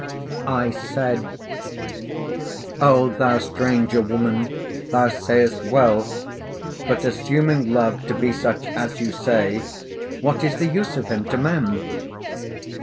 I said, 'O thou stranger woman, thou sayest well; but, assuming Love to be such as you say, what is the use of him to men?'